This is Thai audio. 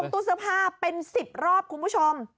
ตู้เสื้อผ้าเป็น๑๐รอบคุณผู้ชม